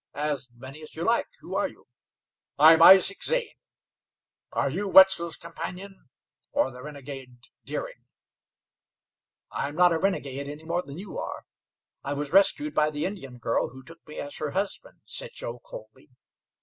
"As many as you like. Who are you?" "I am Isaac Zane. Are you Wetzel's companion, or the renegade Deering?" "I am not a renegade any more than you are. I was rescued by the Indian girl, who took me as her husband," said Joe coldly.